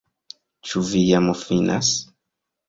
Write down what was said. Ĉu vi jam finas?